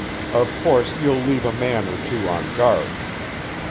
Of course, you'll leave a man or two on guard."